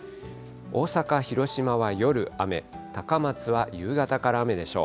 大阪、広島は夜、雨、高松は夕方から雨でしょう。